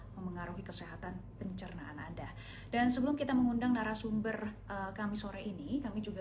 memengaruhi kesehatan pencernaan anda dan sebelum kita mengundang narasumber kami sore ini kami juga